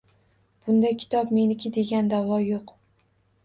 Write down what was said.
Bunda kitob meniki degan daʼvo yoʻq